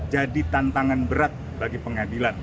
tantangan berat bagi pengadilan